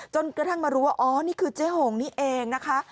จนกระทั่งมารู้ว่าอ๋อนี่คือเจ๊หงนี่เองนะคะ